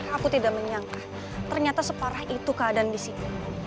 aku tidak menyangka ternyata separah itu keadaan di sini